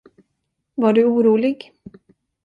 Var du orolig?